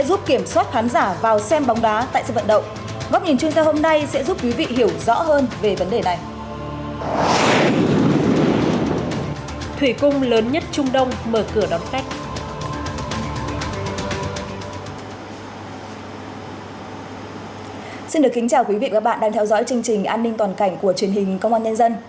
xin chào quý vị và các bạn đang theo dõi chương trình an ninh toàn cảnh của truyền hình công an nhân dân